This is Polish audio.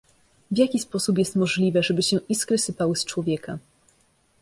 w jaki sposób jest możliwe, żeby się iskry sypały z człowieka.